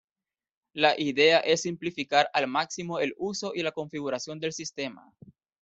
La idea es simplificar al máximo el uso y la configuración del sistema.